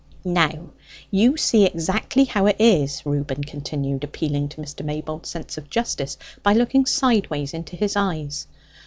"Now, you see exactly how it is," Reuben continued, appealing to Mr. Maybold's sense of justice by looking sideways into his eyes.